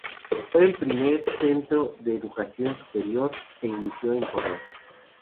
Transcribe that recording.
Fue el primer centro de educación superior se inició en Corea.